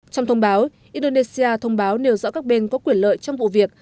trong thông báo indonesia thông báo nếu dõi các bên có quyền lợi trong vụ việc